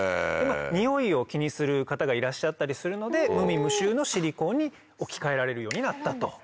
においを気にする方がいらっしゃったりするので無味無臭のシリコーンに置き換えられるようになったと。